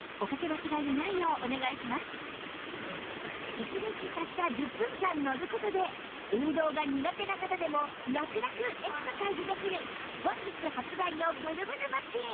１日たった１０分間のる事で運動が苦手な方でもラクラクエクササイズできる本日発売のブルブルマシン